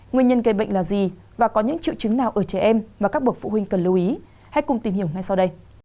nguyên nhân gây bệnh là gì và có những triệu chứng nào ở trẻ em mà các bậc phụ huynh cần lưu ý hãy cùng tìm hiểu ngay sau đây